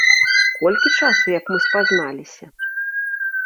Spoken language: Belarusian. Колькі часу, як мы спазналіся?